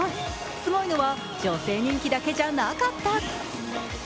すごいのは女性人気だけじゃなかった。